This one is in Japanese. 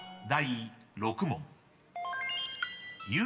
［第６問］